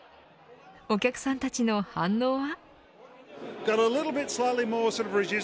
お客さんたちの反応は。